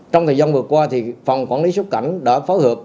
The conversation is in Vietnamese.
trong thời gian vừa qua phòng quản lý xuất cảnh đã phối hợp